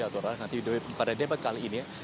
atau nanti pada debat kali ini